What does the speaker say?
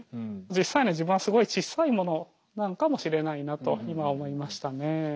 実際の自分はすごいちっさいものなのかもしれないなと今思いましたね。